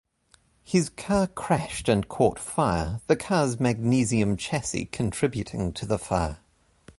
His car crashed and caught fire, the car's magnesium chassis contributing to the fire.